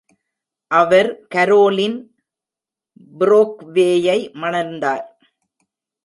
அவர் Caroline ப்ரோக்வேயை மணந்தார்.